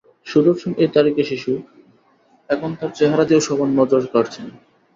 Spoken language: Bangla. সুদর্শন এই তারকা শিশু এখন তাঁর চেহারা দিয়েও সবার নজর কাড়ছেন।